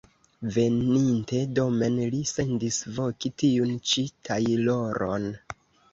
Veninte domen li sendis voki tiun ĉi tajloron.